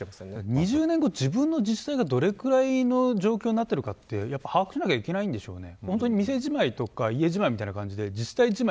２０年後自分の自治体がどれぐらいの状況になっているかやはり把握しなきゃいけないんでしょうね